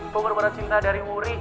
pengorbanan cinta dari wuri